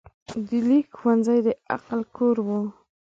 د لیک ښوونځی د عقل کور و.